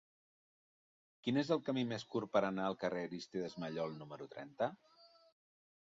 Quin és el camí més curt per anar al carrer d'Arístides Maillol número trenta?